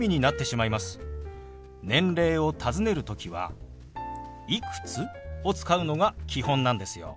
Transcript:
年齢をたずねる時は「いくつ？」を使うのが基本なんですよ。